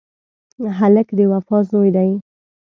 هلک د وفا زوی دی.